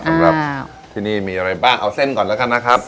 สำหรับที่นี่มีอะไรบ้างเอาเส้นก่อนแล้วกันนะครับ